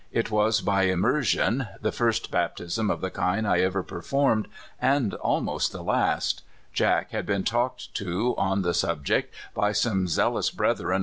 It was by im mersion, the first baptism of the kind I ever per formed, and almost the last. Jack had been talked to on the subject by some zealous brethren l88 CALIFORNIA SKETCHES.